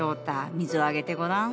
水をあげてごらん。